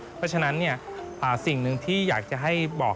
เพราะฉะนั้นสิ่งหนึ่งที่อยากจะให้บอก